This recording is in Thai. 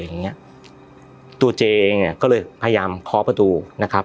อย่างเงี้ยตัวเจเองอ่ะก็เลยพยายามเคาะประตูนะครับ